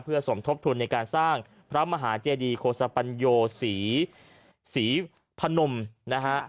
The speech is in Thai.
สมทบทุนในการสร้างพระมหาเจดีโฆษปัญโยศรีศรีพนมนะฮะ